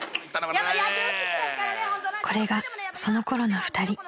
［これがそのころの二人］